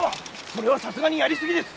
それはさすがにやりすぎです。